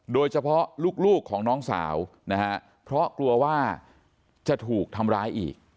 โดยเฉพาะลูกของน้องสาวนะฮะเพราะกลัวว่าจะถูกทำร้ายอีก